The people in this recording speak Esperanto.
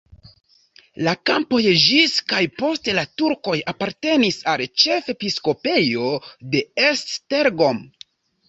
La kampoj ĝis kaj post la turkoj apartenis al ĉefepiskopejo de Esztergom.